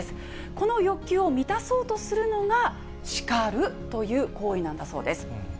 この欲求を満たそうとするのが、叱るという行為なんだそうです。